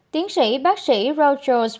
tiến sĩ bác sĩ roger walsh